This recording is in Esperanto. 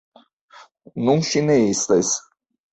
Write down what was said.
Nun ŝi ne estas.